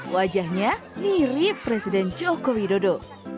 wajahnya mirip presiden joko widodo